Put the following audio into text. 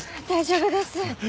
大丈夫です。